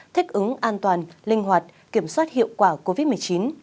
thích ứng an toàn linh hoạt kiểm soát hiệu quả covid một mươi chín